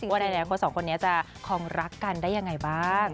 ว่าในอนาคตสองคนนี้จะคงรักกันได้ยังไงบ้าง